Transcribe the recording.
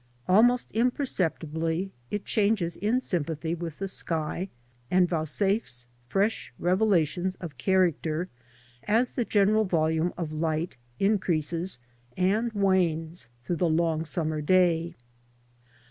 Almost imperceptibly it changes in sympathy with the sky, and vouchsafes fresh revelations of character as the general volume of light increases and wanes through the long summer day.